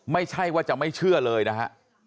ไม่ใช่ว่าจะไม่เชื่อเลยนะฮะ